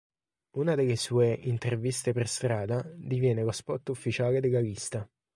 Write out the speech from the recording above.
Una delle sue "Interviste per Strada" diviene lo spot ufficiale della Lista.